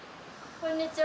こんにちは。